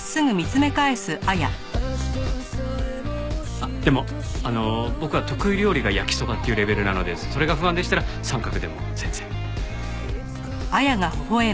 あっでもあの僕は得意料理が焼きそばっていうレベルなのでそれが不安でしたらサンカクでも全然。